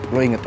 lo inget ya